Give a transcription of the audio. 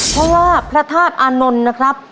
เพราะว่าพระธาตุอานนท์นะครับ